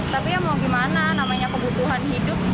tapi ya mau gimana namanya kebutuhan hidup